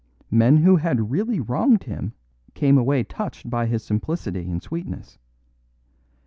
Men who had really wronged him came away touched by his simplicity and sweetness.